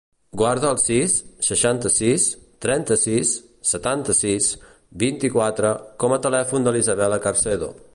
Guarda el sis, seixanta-sis, trenta-sis, setanta-sis, vint-i-quatre com a telèfon de l'Isabella Carcedo.